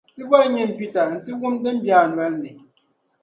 ti boli nyin’ Peter nti wum din be a nol’ ni.